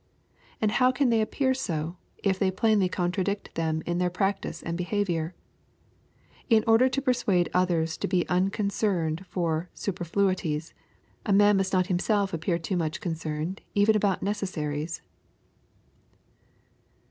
And how can they appear sa if they plainly contradict them in their practice and behavior ? In order to persuade others to be unconcerned for superfluities, a man must not himself appear too much concerned, even about necessaries."